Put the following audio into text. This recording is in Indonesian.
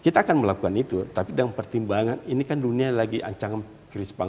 kita akan melakukan itu tapi dengan pertimbangan ini kan dunia lagi ancang krispang